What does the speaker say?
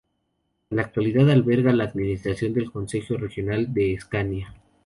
En la actualidad alberga la administración del Consejo Regional de Escania.